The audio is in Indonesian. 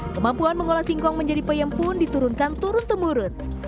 kemampuan mengolah singkong menjadi peyem pun diturunkan turun temurun